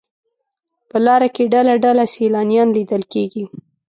په لاره کې ډله ډله سیلانیان لیدل کېږي.